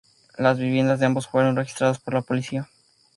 Las viviendas de ambos fueron registradas por la Policía.